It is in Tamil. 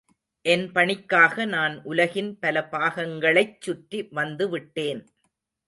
என் பணிக்காக நான் உலகின் பல பாகங்களைச் சுற்றி வந்துவிட்டேன்.